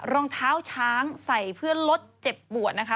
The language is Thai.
รองเท้าช้างใส่เพื่อลดเจ็บปวดนะคะ